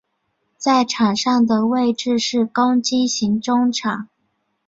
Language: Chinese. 在场上的位置是攻击型中场。